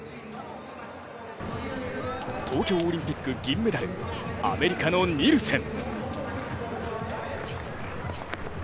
東京オリンピック銀メダル、アメリカのニルセン。